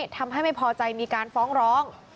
ทำให้ไม่พอใจมีการฟ้องร้อง